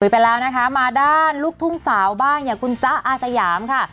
ไปแล้วนะคะมาด้านลูกทุ่งสาวบ้างอย่างคุณจ๊ะอาสยามค่ะ